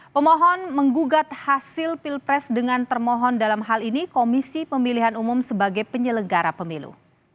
pemohon menggugat hasil pilpres dengan termohon dalam hal ini komisi pemilihan umum sebagai penyelenggara pemilu